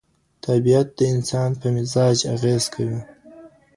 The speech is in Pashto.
طبیعت د انسان په مزاج اغېز کوي.